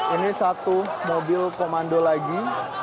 ini satu mobil komando lagi